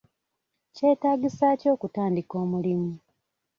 Kyetaagisa ki okutandika omulimu?